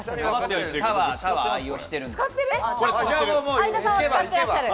相田さんは使ってらっしゃる。